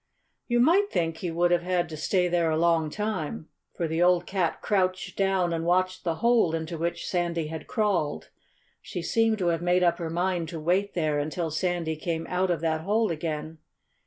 You might think he would have had to stay there a long time. For the old cat crouched down and watched the hole into which Sandy had crawled. She seemed to have made up her mind to wait there until Sandy came out of that hole again.